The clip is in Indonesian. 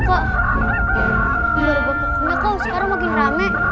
kok sekarang makin rame